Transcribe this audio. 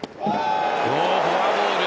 フォアボール。